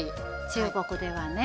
中国ではね